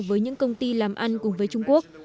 với những công ty làm ăn cùng với trung quốc